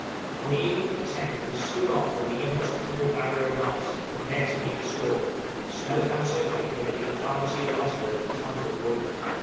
On the evening of the 10th we stood off from the inhospitable barrier of ice, prepared to meet the storm; snow fell so thickly that we could hardly see the icebergs in time to avoid them.